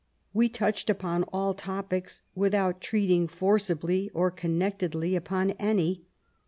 We touched upon all topics without treating forcibly or connectedly upon any.